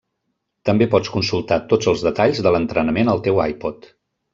També pots consultar tots els detalls de l'entrenament al teu iPod.